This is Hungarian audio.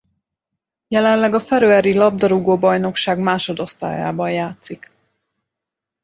Jelenleg a Feröeri labdarúgó-bajnokság másodosztályában játszik.